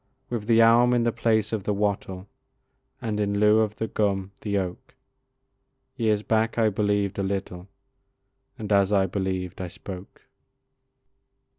With the elm in the place of the wattle, And in lieu of the gum, the oak, Years back I believed a little, And as I believed I spoke.